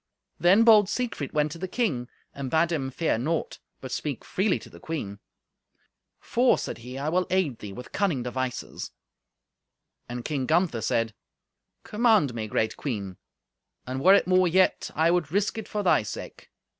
Then bold Siegfried went to the king, and bade him fear naught, but speak freely to the queen. "For," said he, "I will aid thee with cunning devices." And King Gunther said, "Command me, great queen, and were it more yet, I would risk it for thy sake.